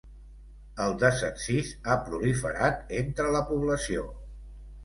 El desencís ha proliferat entre la població.